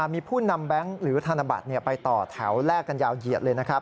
มีผู้นำแบงค์หรือธนบัตรไปต่อแถวแลกกันยาวเหยียดเลยนะครับ